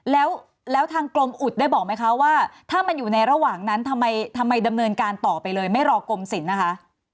แล้วทางกรมอุดได้บอกไหมคะว่าถ้ามันอยู่ในระหว่างนั้นทำไมดำเนินการต่อไปเลยไม่รอกรมศิลป์นะคะ